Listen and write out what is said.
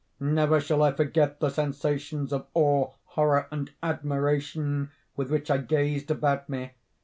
"Never shall I forget the sensations of awe, horror, and admiration with which I gazed about me.